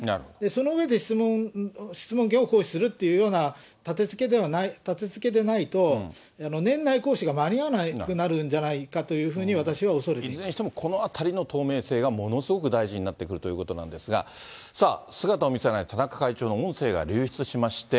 その上で質問権を行使するっていうような立てつけでないと、年内行使が間に合わなくなるんじゃないかというふうに私は恐れていずれにしてもこのあたりの透明性が、ものすごく大事になってくるということなんですが、さあ、姿を見せない田中会長の音声が流出しまして。